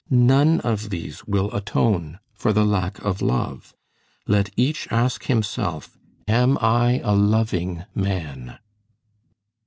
None of these will atone for the lack of love. Let each ask himself, Am I a loving man?"